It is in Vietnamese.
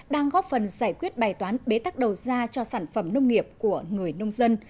đang góp phần giải quyết bài toán bế tắc đầu ra cho sản phẩm nông nghiệp của người nông dân